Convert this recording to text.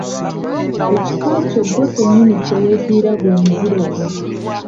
Ekika kyo ggwe kennyini kye weddira gwe muziro gwo.